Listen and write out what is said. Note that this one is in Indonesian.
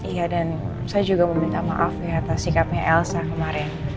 iya dan saya juga meminta maaf ya atas sikapnya elsa kemarin